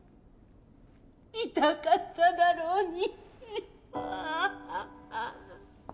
痛かっただろうに。